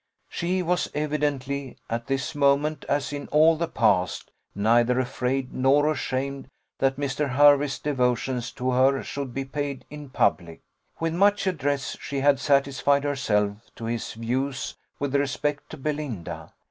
She was evidently, "at this moment, as in all the past," neither afraid nor ashamed that Mr. Hervey's devotions to her should be paid in public. With much address she had satisfied herself as to his views with respect to Belinda.